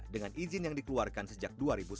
dengan izin yang dikeluarkan sejak dua ribu sebelas